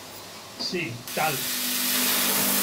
sí tal .